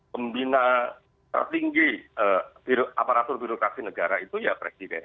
pembina tertinggi aparatur birokrasi negara itu ya presiden